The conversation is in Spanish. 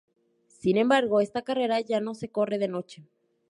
Sin embargo, esta carrera ya no se corre de noche.